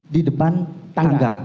di depan tangga